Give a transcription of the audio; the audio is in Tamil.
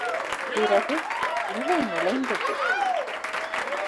பிறகு, உள்ளே நுழைந்தது.